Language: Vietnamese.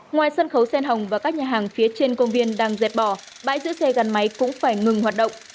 ngoài sân khấu sen hồng và các nhà hàng phía trên công viên đang dẹp bỏ bãi giữ xe gắn máy cũng phải ngừng hoạt động